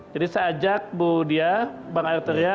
jadi saya ajak bu diah pak arteria